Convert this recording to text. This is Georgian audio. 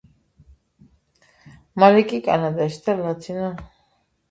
მალე კი კანადაში და ლათინურ